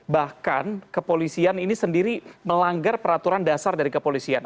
bahkan kepolisian ini sendiri melanggar peraturan dasar dari kepolisian